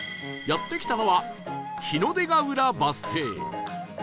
やって来たのは日の出が浦バス停